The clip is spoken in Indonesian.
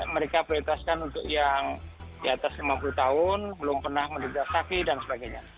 mereka prioritaskan untuk yang di atas lima puluh tahun belum pernah menduga safi dan sebagainya